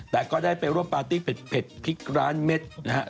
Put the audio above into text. แต่ก็ได้ไปร่วมปาร์ตี้เผ็ดพริกร้านเม็ดนะฮะ